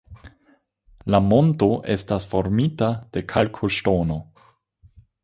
La monto estas formita de kalkoŝtono.